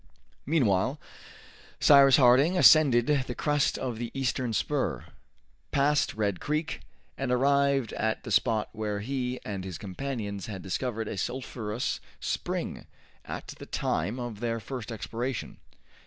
Meanwhile Cyrus Harding ascended the crest of the eastern spur, passed Red Creek, and arrived at the spot where he and his companions had discovered a sulphurous spring at the time of their first exploration.